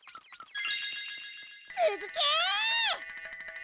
つづけ！